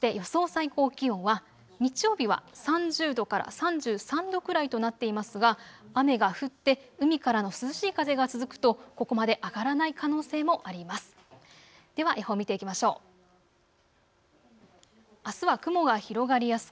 最高気温は日曜日は３０度から３３度くらいとなっていますが雨が降って海からの涼しい風が続くとここまで上がらない可能性もあります。